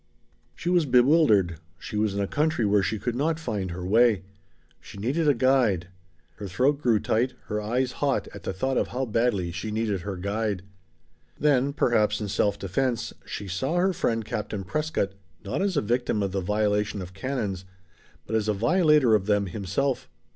She was bewildered. She was in a country where she could not find her way. She needed a guide. Her throat grew tight, her eyes hot, at thought of how badly she needed her guide. Then, perhaps in self defense, she saw her friend Captain Prescott, not as a victim of the violation of canons, but as a violator of them himself.